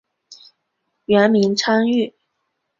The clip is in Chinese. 原名昌枢。